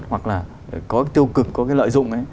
hoặc là có tiêu cực có cái lợi dụng ấy